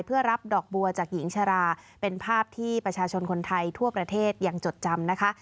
เพื่อรับดอกบัวจากหญิงชราเป็นภาพที่ประชาชนคนไทยทั่วประเทศยังจดจำนะคะ